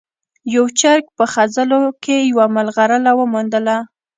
یو چرګ په خځلو کې یوه ملغلره وموندله.